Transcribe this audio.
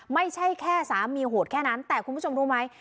ไม่ใช่แค่สามีโหดแค่นั้นแต่คุณผู้ชมรู้ไหม